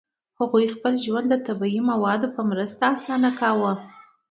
هغوی خپل ژوند د طبیعي موادو په مرسته اسانه کاوه.